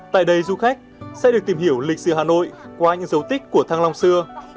tại đây du khách sẽ được tìm hiểu lịch sử hà nội qua những dấu tích của thăng long xưa